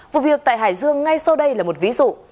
vụ việc tại hải dương ngay sau đây là một ví dụ